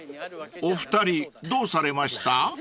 ［お二人どうされました？］